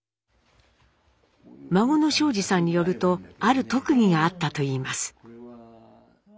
孫の正二さんによるとある特技があったといいます。